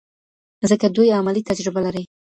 ځکه دوی عملي تجربه لري.